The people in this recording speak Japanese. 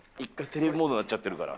テレビモードになっちゃってるから。